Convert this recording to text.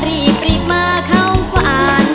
รีบมาเข้าฝั่ง